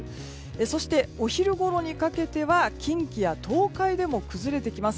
そして、お昼ごろにかけては近畿や東海でも崩れてきます。